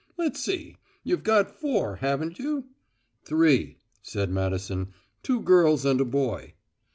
Let's see, you've got four, haven't you?" "Three," said Madison. "Two girls and a boy."